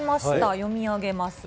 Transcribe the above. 読み上げます。